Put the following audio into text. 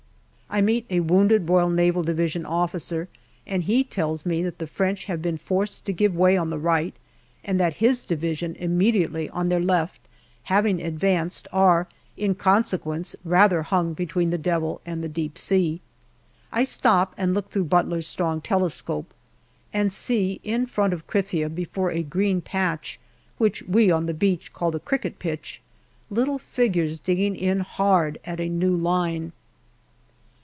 I meet a wounded R.N.D. officer, and he tells me that the French have been forced to give way on the right, and that his Division, immediately on their left, having advanced, are in consequence rather hung between the Devil and the deep sea. I stop and look through Butler's strong telescope, and see in front of Krithia, before a green patch, which we on the beach call the cricket pitch, little figures digging in hard at a new line.